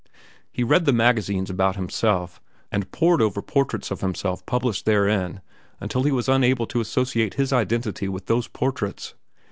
He read the magazines about himself, and pored over portraits of himself published therein until he was unable to associate his identity with those portraits.